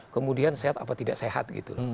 kemudian sehat apa tidak sehat gitu